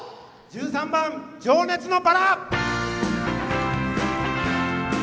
１３番「情熱の薔薇」。